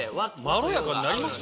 まろやかになります？